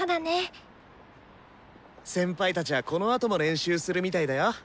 先輩たちはこのあとも練習するみたいだよ。